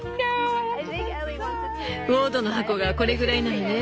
ウォードの箱がこれぐらいならね。